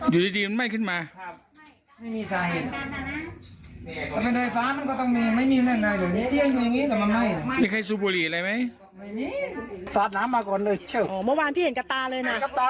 ไม่การที่นอนเมื่อช้าก็ไม่การเตียงเลย